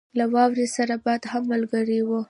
له واورې سره باد هم ملګری وو.